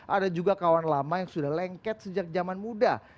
ada juga kawan lama yang sudah lengket sejak zaman muda